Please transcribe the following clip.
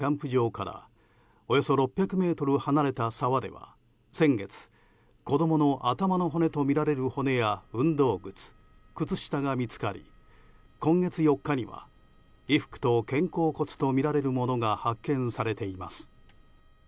小倉美咲さんが行方不明になったキャンプ場からおよそ６００ｍ離れた沢では先月、子供の頭の骨とみられる骨や運動靴靴下が見つかり、今月４日には衣服と肩甲骨とみられるものが発見されています。